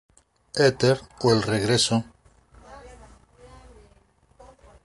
Éter o El regreso.